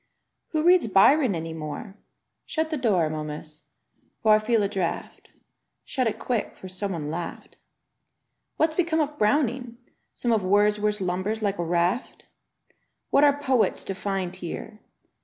"Who reads Byron any more?" Shut the door, Momus, for I feel a draught; |64i •^ Shut it quick, for some one laughed. "What's become of Browning? Some of Wordsworth lumbers like a raft? "Yi^at are poets to find here?